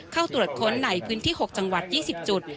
เข้าตรวจค้นในพื้นที่๖จังหวัด๒๐จุด